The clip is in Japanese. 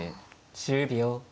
１０秒。